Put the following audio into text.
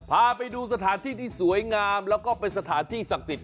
พาไปดูสถานที่ที่สวยงามแล้วก็เป็นสถานที่ศักดิ์สิทธิ